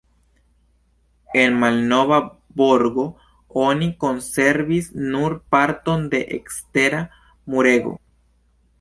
El malnova borgo oni konservis nur parton de ekstera murego.